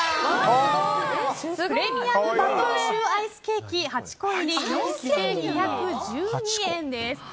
プレミアムバトンシューアイスケーキ８個入り４２１２円です。